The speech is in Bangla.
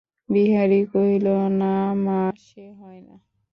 বিহারী কহিল, না মা, সে হয় না।